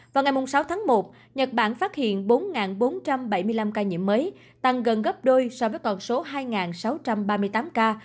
vào ngày sáu tháng một nhật bản phát hiện bốn bốn trăm bảy mươi năm ca nhiễm mới tăng gần gấp đôi so với con số hai sáu trăm ba mươi tám ca